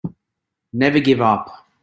Never give up.